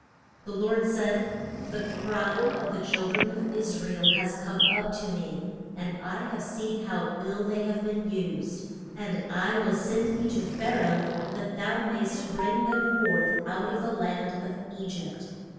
The Lord said, The cry of the chil dren of Is ra el has come up to me, and I have seen how ill they have been used. And I will send thee to Pha ra oh that thou mayst bring them forth out of the land of E gypt.